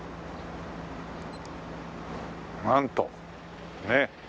なんとねえ。